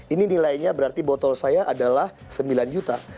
ini nilainya berarti botol saya adalah sembilan juta